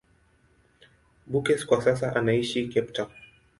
Beukes kwa sasa anaishi Cape Town.